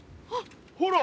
ほら。